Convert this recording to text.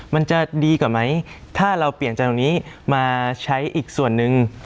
มันจะดีกว่าไหมถ้าเราเปลี่ยนจากตรงนี้มาใช้อีกส่วนหนึ่ง